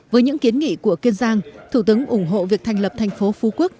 với những kiến nghị của kiên giang thủ tướng ủng hộ việc thành lập thành phố phú quốc